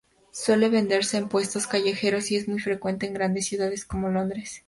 Suele venderse en puestos callejeros y es muy frecuente en grandes ciudades como Londres.